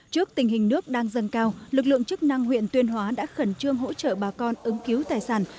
trước tình hình nước đang dâng cao lực lượng chức năng huyện tuyên hóa đã khẩn trương hỗ trợ bà con ứng cứu tài sản